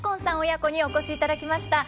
親子にお越しいただきました。